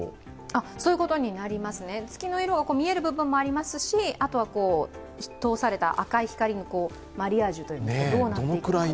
そういうことになりますね、月の色が見える部分もありますし、あとは通された赤い光のマリアージュといいますか。